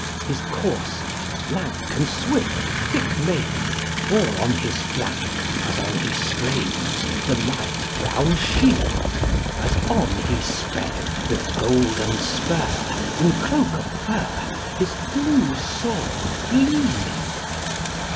His courser, lank and swift, thick maned, Bore on his flank, as on he strained, The light brown shield, as on he sped, With golden spur, in cloak of fur, His blue sword gleaming.